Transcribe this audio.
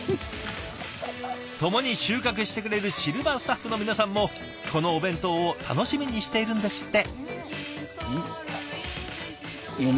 共に収穫してくれるシルバースタッフの皆さんもこのお弁当を楽しみにしているんですって！